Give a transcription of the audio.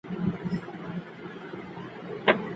خندا بې خوشحالۍ نه وي.